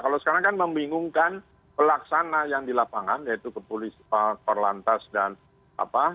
kalau sekarang kan membingungkan pelaksanaan yang di lapangan yaitu kepolisian perlaksanaan